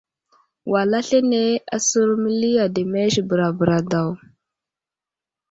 Wal aslane asər məli ademes bəra bəra daw.